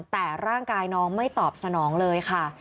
แต่ร่างกายน้องไม่ตอบสนองเลยค่ะ